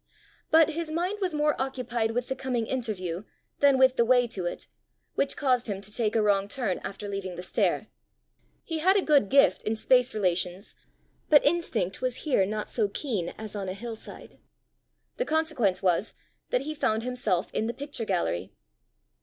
But his mind was more occupied with the coming interview than with the way to it, which caused him to take a wrong turn after leaving the stair: he had a good gift in space relations, but instinct was here not so keen as on a hill side. The consequence was that he found himself in the picture gallery.